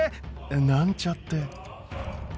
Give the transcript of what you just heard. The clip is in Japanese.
なんちゃって。